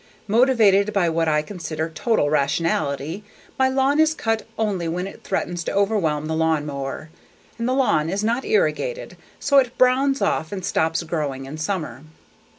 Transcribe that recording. Motivated by what I consider total rationality, my lawn is cut only when it threatens to overwhelm the lawnmower, and the lawn is not irrigated, so it browns off and stops growing in summer.